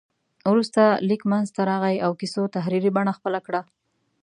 وروسته لیک منځته راغی او کیسو تحریري بڼه خپله کړه.